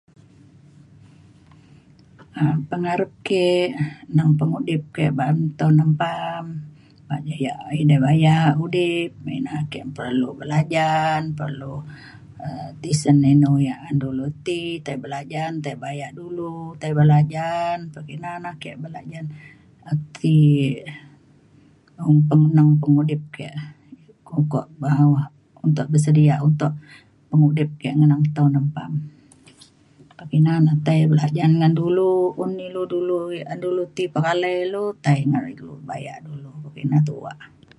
um pengarap ke nang pengudip ke ban taun depan ban layak urip ina ya an ke perlu. Perlu belajan perlu um tisen inu ya an ulu ti tai belajan ti ulu tai belajan ban inah na ke belajan ake umpeng nang pengudip ke untuk bawa untuk bersedia untuk pengudip ke ngeneng taun depan. Ina na tei belajan ngan dulu un dulu ya dulu ti pengalai ulu tai ina bayan inu tuwa.